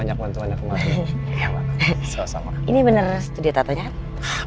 ini bener studio tatonya kan